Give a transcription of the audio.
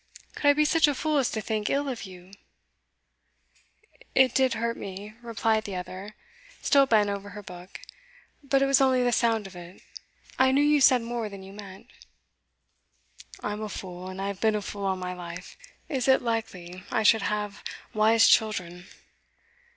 Could I be such a fool as to think ill of you?' 'It did hurt me,' replied the other, still bent over her book. 'But it was only the sound of it. I knew you said more than you meant.' 'I'm a fool, and I've been a fool all my life. Is it likely I should have wise children?